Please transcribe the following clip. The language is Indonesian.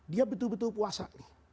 dia betul betul puasa